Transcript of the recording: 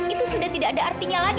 itu sudah tidak ada artinya lagi